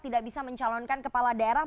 tidak bisa mencalonkan kepala daerah